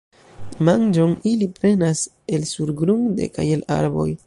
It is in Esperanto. Manĝon ili prenas el surgrunde kaj el arboj.